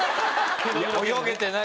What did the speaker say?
いや泳げてない。